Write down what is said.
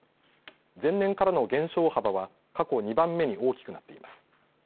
前年からの減少幅は過去２番目に大きくなっています。